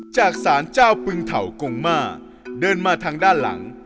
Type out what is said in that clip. จากสารเจ้าปึงเถ่ากงมาเดินมาทางด้านหลัง